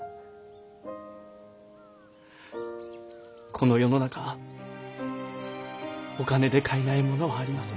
この世の中お金で買えないものはありません。